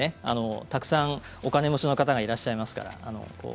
たくさん、お金持ちの方がいらっしゃいますから。